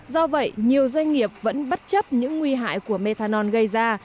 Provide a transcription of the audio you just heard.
do vậy nhiều doanh nghiệp vẫn bất chấp những nguy hại của methanol gây ra